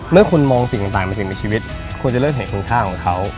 เมื่อคุณมองสิ่งต่างมาถึงในชีวิตคุณจะเริ่มเห็นคุณค่าของเขา